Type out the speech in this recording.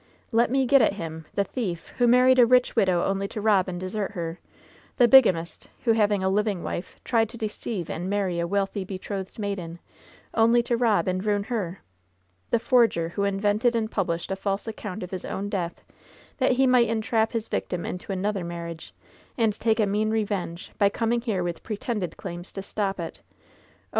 'TiCt me get at him ! The thief, who married a rich widow only to rob and desert her ! The bigamist, who, having a living wife, tried to deceive and marry a wealthy, betrolhed maiden, only to rob and ruin her! The forger, who invented and published a false account of his own death that he might entrap his victim into another marriage, and take a mean revenge by coming here with pretended claims to stop it ! Oh